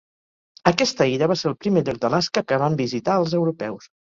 Aquesta illa va ser el primer lloc d'Alaska que van visitar els europeus.